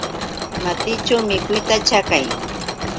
Matićhu mikuyta chakay.